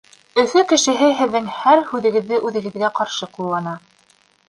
Өфө кешеһе һеҙҙең һәр һүҙегеҙҙе үҙегеҙгә ҡаршы ҡуллана.